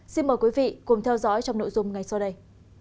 xin mời quý vị cùng theo dõi trong nội dung ngay sau đây